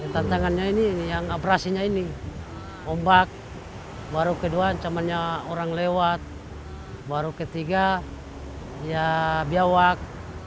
tantangannya ini yang operasinya ini ombak baru kedua ancamannya orang lewat baru ketiga ya biawak